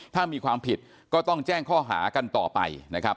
ถ้ามีความผิดก็ต้องแจ้งข้อหากันต่อไปนะครับ